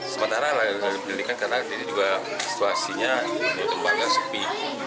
sementara berdilikan karena situasinya tempatnya sepi